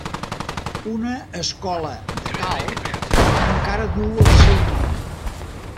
Una escola de Calp encara duu el seu nom.